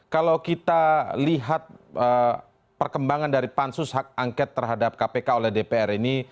kalau kita lihat perkembangan dari pansus hak angket terhadap kpk oleh dpr ini